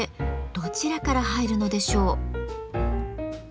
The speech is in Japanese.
どちらから入るのでしょう？